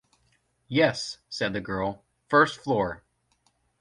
‘Yes,’ said the girl, ‘first floor'.